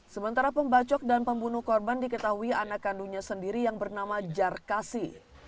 sementara pembacok dan pembunuh korban diketahui anak kandungnya sendiri yang bernama jarkasi